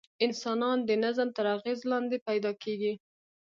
انسانان د نظم تر اغېز لاندې پیدا کېږي.